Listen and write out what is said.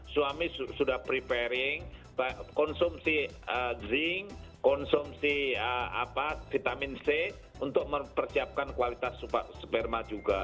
suami sudah preparing konsumsi zinc konsumsi vitamin c untuk mempersiapkan kualitas sperma juga